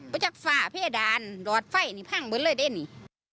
ไม่จักฟ้าเพศดานรอดไฟนี่พร่างเบอร์เลยได้นี่